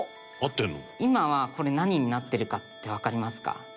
今はこれ何になってるかってわかりますか？